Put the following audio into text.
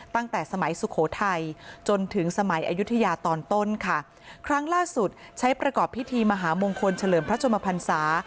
ตั้งแต่สมัยสุโขทัยจนถึงสมัยอายุทยาตอนต้นค่ะครั้งล่าสุดใช้ประกอบพิธีมหามงคลเฉลิมพระชมพันศา